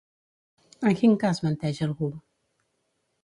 En quin cas menteix algú?